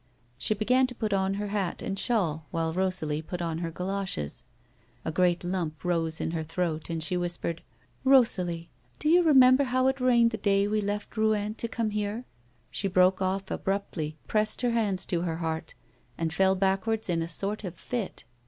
She began to put on her hat and shawl, while Rosalie put on her goloshes. A great lump rose in her throat, and she whispered : "Eosalie, do you remember how it rained the day we left Rouen to come here 1 " She broke off abruptly, pressed her hands to her heart, and fell backwards in a sort of fit.